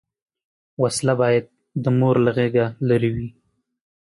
وسله باید د مور له غېږه لرې وي